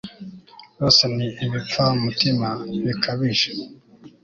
bose ni ibipfamutima bikabije